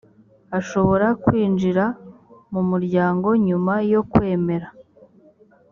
ashobora kwinjira mu muryango nyuma yo kwemera